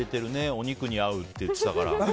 お肉に合うって言ってたから。